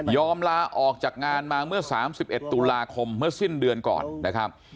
ลาออกจากงานมาเมื่อ๓๑ตุลาคมเมื่อสิ้นเดือนก่อนนะครับ